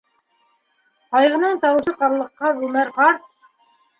Ҡайғынан тауышы ҡарлыҡҡан Үмәр ҡарт: